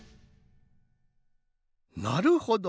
なるほど。